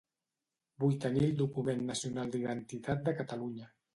Vull tenir el Document Nacional d'Identitat de Catalunya